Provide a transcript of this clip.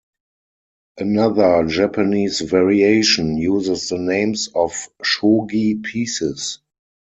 Another Japanese variation uses the names of shogi pieces.